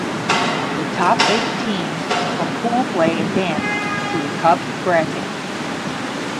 The top eight teams from pool play advanced to the Cup bracket.